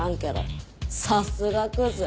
さすがクズ。